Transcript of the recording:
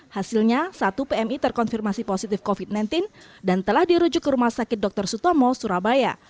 hasilnya satu pmi terkonfirmasi positif covid sembilan belas dan telah dirujuk ke rumah sakit dr sutomo surabaya